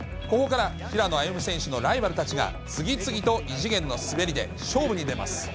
ここから平野歩夢選手のライバルたちが次々と異次元の滑りで勝負に出ます。